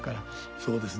そうですね。